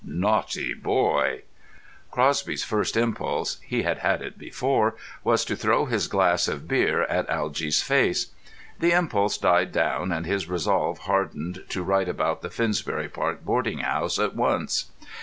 Naughty boy!" Crosby's first impulse (he had had it before) was to throw his glass of beer at Algy's face. The impulse died down, and his resolve hardened to write about the Finsbury Park boarding house at once.